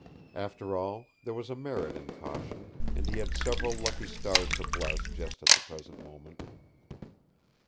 After all, there was a merit in caution, and he had several lucky stars to bless just at the present moment!